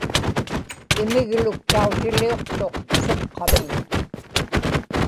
imigluktautiliuqtuq suqqamiñ